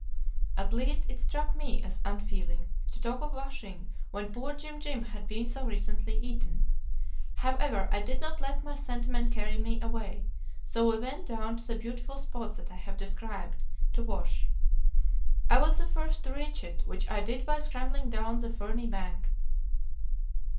At least it struck me as unfeeling to talk of washing when poor Jim Jim had been so recently eaten. However, I did not let my sentiment carry me away, so we went down to the beautiful spot that I have described, to wash. I was the first to reach it, which I did by scrambling down the ferny bank.